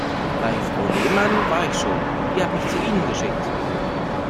Bei Frau Lehmann war ich schon, die hat mich zu Ihnen geschickt.